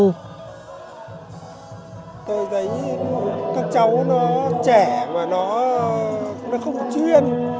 tôi thấy các cháu nó trẻ mà nó không chuyên